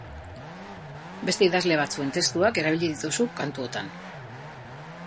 Beste idazle batzuen testuak erabili dituzu kantuotan.